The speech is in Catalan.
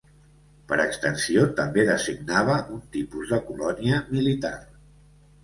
Per extensió, també designava un tipus de colònia militar.